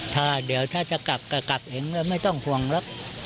ถ้าเดี๋ยวถ้าจะกลับก็กลับเห็นว่าไม่ต้องห่วงหรอก